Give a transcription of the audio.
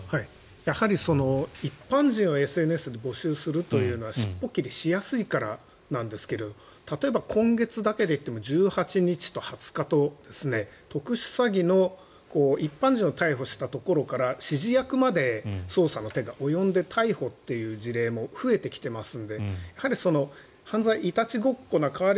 やはり一般人をＳＮＳで募集するというのは尻尾切りしやすいからなんですが例えば、今月だけで言っても１８日と２０日と特殊詐欺の一般人を逮捕したところから指示役まで捜査の手が及んで逮捕という事例も増えてきていますので犯罪、いたちごっこな代わり